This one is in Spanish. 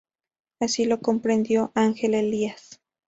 Así lo comprendió Ángel Elías.